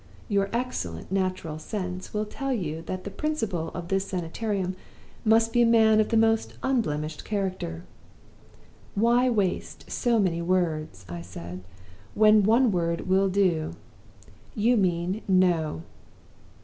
Your excellent natural sense will tell you that the Principal of this Sanitarium must be a man of the most unblemished character ' "'Why waste so many words,' I said, 'when one word will do? You mean No!